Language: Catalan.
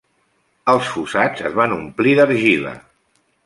Els fossats es van omplir d'argila.